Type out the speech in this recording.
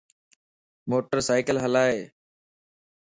موٽر سائيڪل ھلائي